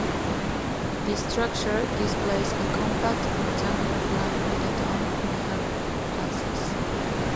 The structure displays a compact rectangular plan, with a domed mihrab axis.